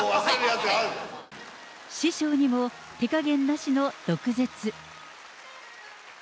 師匠にも手加減なしの毒舌。